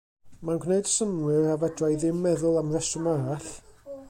Mae'n gwneud synnwyr a fedra'i ddim meddwl am reswm arall.